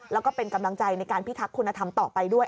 แล้วก็เป็นกำลังใจในการพิทักษ์คุณธรรมต่อไปด้วย